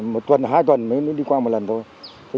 một tuần hai tuần mới đi qua một lần thôi